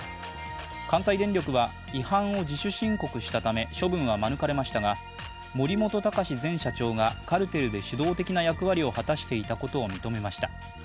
関西電力は違反を自主申告したため、処分は免れましたが森本孝前社長がカルテルで主導的な役割を果たしていたことを認めました。